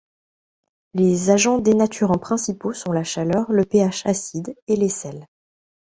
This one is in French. Les agents dénaturants principaux sont la chaleur, le pH acide et les sels.